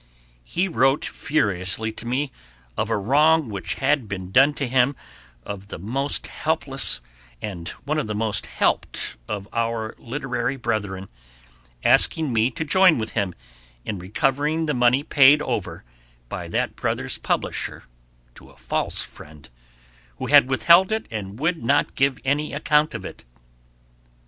He wrote furiously to me of a wrong which had been done to one of the most helpless and one of the most helped of our literary brethren, asking me to join with him in recovering the money paid over by that brother's publisher to a false friend who had withheld it and would not give any account of it.